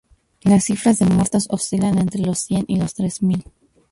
Las cifras de muertos oscilan entre los cien y los tres mil.